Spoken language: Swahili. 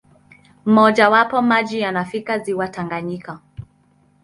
Mmojawapo, maji yanafikia ziwa Tanganyika.